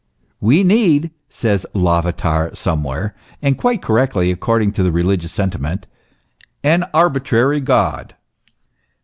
" We need," says Lavater somewhere, and quite correctly according to the religious sentiment, " an arbitrary God."